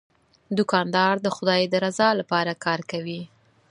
دوکاندار د خدای د رضا لپاره کار کوي.